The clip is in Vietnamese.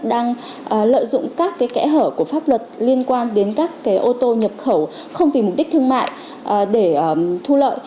họ đang lợi dụng các cái kẽ hở của pháp luật liên quan đến các cái ô tô nhập khẩu không vì mục đích thương mại để thu lợi